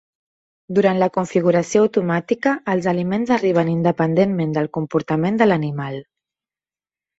Durant la configuració automàtica, els aliments arriben independentment del comportament de l'animal.